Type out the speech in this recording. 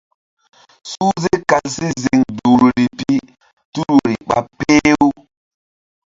Suhze kal si ziŋ duhri pi tul woyri ɓa peh-u.